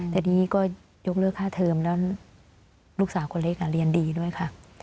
แต่นี่ก็ยกเลิกค่าเทอมแล้วลูกสาวคนเล็กเรียนดีด้วยค่ะ